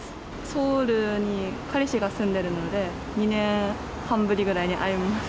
ソウルに彼氏が住んでるので、２年半ぶりぐらいに会えます。